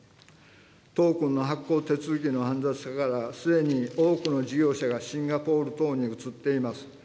トークンの発行手続きの煩雑さから、すでに多くの事業者がシンガポール等に移っています。